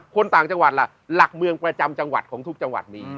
คนต่างจังหวัดล่ะหลักเมืองประจำจังหวัดของทุกจังหวัดนี้